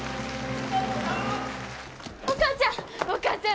お母ちゃんお母ちゃん！お帰り。